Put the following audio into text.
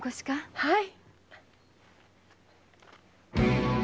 はい。